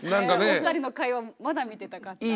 お二人の会話まだ見てたかった。